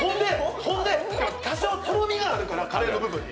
多少とろみがあるから、カレーの部分に。